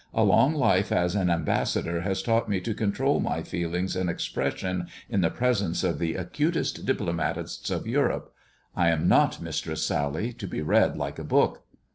" A long life as an ^ mbassador has taught me to control my feelings and ^^pression in the presence of the acutest diplomatists of *^^irope. I am not Mistress Sally, to be read like a book."